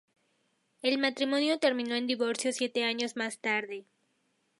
El matrimonio terminó en divorcio siete años más tarde.